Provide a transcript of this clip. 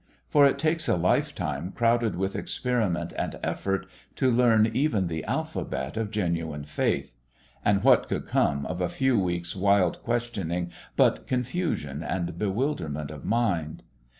For it takes a lifetime crowded with experiment and effort to learn even the alphabet of genuine faith; and what could come of a few weeks' wild questioning but confusion and bewilderment of mind?